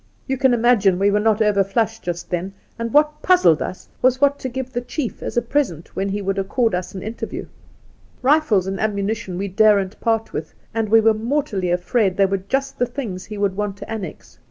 You can imagine we were not overflush just then, and what puzzled us was what to give the chief as a pi^esent when he, would accord us aij interview. Eifles and ammunition we daren't part with, and we were mortally afraid they were just the things he would want to annex.